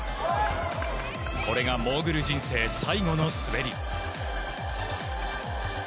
これがモーグル人生最後の滑り。